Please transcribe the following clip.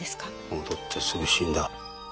戻ってすぐ死んだ。